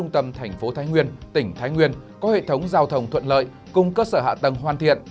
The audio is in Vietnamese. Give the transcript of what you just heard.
thái nguyên có hệ thống giao thồng thuận lợi cùng cơ sở hạ tầng hoàn thiện